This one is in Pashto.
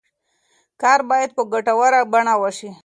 کار باید په ګټوره بڼه وشي.